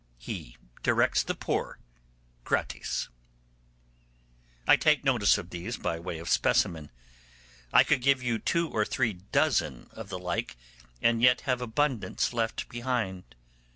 He directs the poor gratis.' I take notice of these by way of specimen. I could give you two or three dozen of the like and yet have abundance left behind.